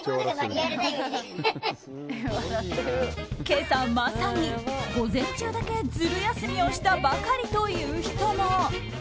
今朝まさに、午前中だけズル休みをしたばかりという人も。